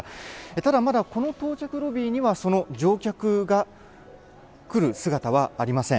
ただまだ、この到着ロビーにはその乗客が来る姿はありません。